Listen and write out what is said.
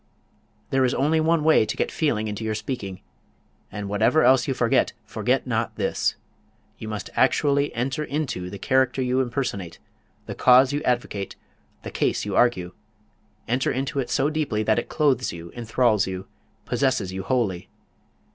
There is only one way to get feeling into your speaking and whatever else you forget, forget not this: You must actually ENTER INTO the character you impersonate, the cause you advocate, the case you argue enter into it so deeply that it clothes you, enthralls you, possesses you wholly.